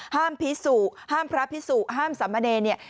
ห้ามพิสูห้ามพระพิสูห้ามสัมเมณีย์